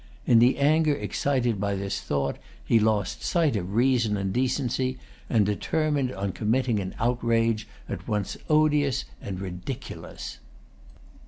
In the anger excited by this thought, he lost sight of reason and decency, and determined on committing an outrage at once odious and ridiculous.